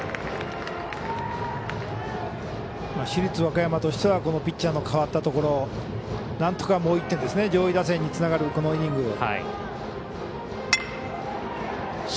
市立和歌山としてはピッチャーの代わったところなんとか、もう１点上位打線につながるこのイニング。